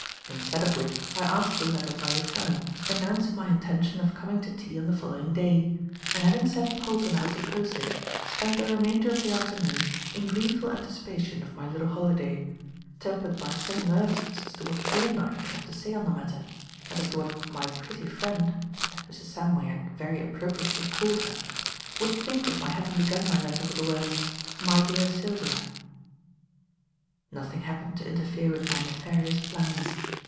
Instead of which I answered the letter by return, announcing my intention of coming to tea on the following day; and having sent Polton out to post it, spent the remainder of the afternoon in gleeful anticipation of my little holiday, tempered by some nervousness as to what Thorndyke would have to say on the matter, and as to what "my pretty friend," as Mrs. Samway had very appropriately called her, would think of my having begun my letter with the words, "My dear Sylvia." Nothing happened to interfere with my nefarious plans.